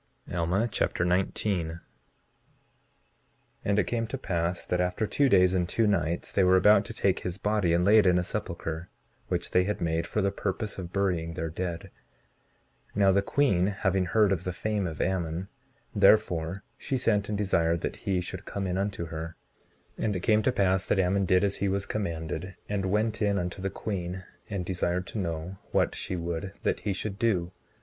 Alma Chapter 19 19:1 And it came to pass that after two days and two nights they were about to take his body and lay it in a sepulchre, which they had made for the purpose of burying their dead. 19:2 Now the queen having heard of the fame of Ammon, therefore she sent and desired that he should come in unto her. 19:3 And it came to pass that Ammon did as he was commanded, and went in unto the queen, and desired to know what she would that he should do.